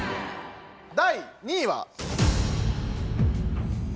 第２位は。